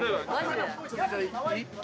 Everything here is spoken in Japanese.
ちょっとじゃあいい？